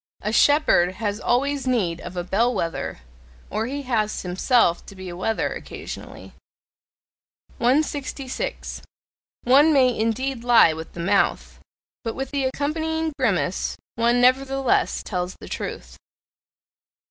A shepherd has always need of a bell wether or he has himself to be a wether occasionally. 166. One may indeed lie with the mouth; but with the accompanying grimace one nevertheless tells the truth.